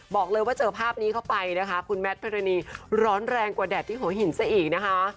บอกเลยว่าเจอภาพนี้เข้าไปนะคะคุณแมทพิรณีร้อนแรงกว่าแดดที่หัวหินซะอีกนะคะ